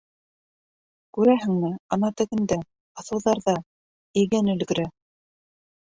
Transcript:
Күрәһеңме, ана тегендә, баҫыуҙарҙа, иген өлгөрә?